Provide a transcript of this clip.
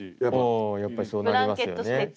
あやっぱりそうなりますよね。